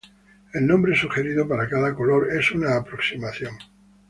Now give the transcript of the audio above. El nombre sugerido para cada color es una aproximación.